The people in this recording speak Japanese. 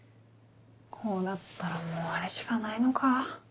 こうなったらもうあれしかないのか。